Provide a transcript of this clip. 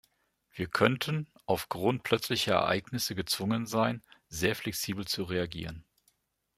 Wir könnten aufgrund plötzlicher Ereignisse gezwungen sein, sehr flexibel zu reagieren.